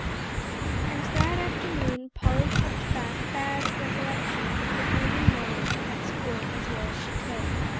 And that afternoon Polly kept back bad recollections of the gloomy morning at school as well as she could.